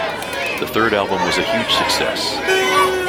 The third album was a huge success.